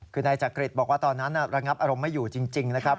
คือนายจักริตบอกว่าตอนนั้นระงับอารมณ์ไม่อยู่จริงนะครับ